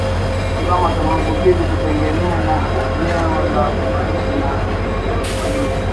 Kiwango cha maambukizi hutegemeana na eneo la malisho na usimamizi